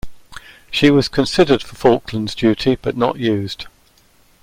She was considered for Falklands duty, but not used.